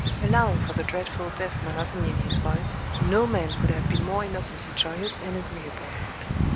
Allowing for the dreadful deaf monotony in his voice, no man could have been more innocently joyous and agreeable.